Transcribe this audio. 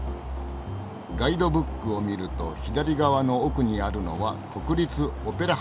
ガイドブックを見ると左側の奥にあるのは国立オペラハウス。